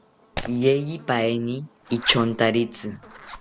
Yeyipaeni ityontaritzi